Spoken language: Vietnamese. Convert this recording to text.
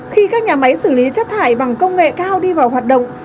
khi các nhà máy xử lý chất thải bằng công nghệ cao đi vào hoạt động